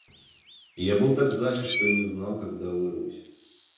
Я был так занят, что и не знал, когда вырвусь.